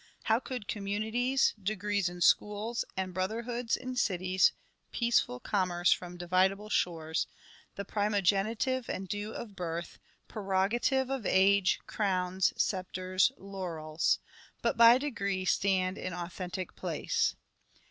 How could communities, Degrees in schools, and brotherhoods in cities, Peaceful commerce from dividable shores, The primogenitive and due of birth. Prerogative of age, croons, sceptres, laurels But by degree, stand in authentic place